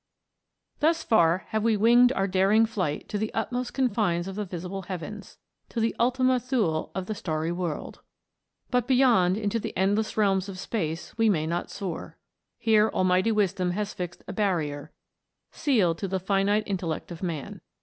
Thus far have we winged, our daring flight to the utmost confines of the visible heavens, to the Ultima Thule of the starry world. But beyond, into the endless realms of space, we may not soar. Here Almighty wisdom has fixed a barrier, sealed to the finite intellect of man.